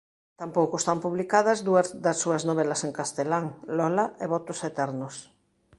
Tampouco están publicadas dúas das súas novelas en castelán "Lola" e "Votos Eternos".